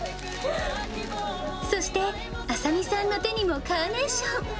そして、麻美さんの手にもカーネーション。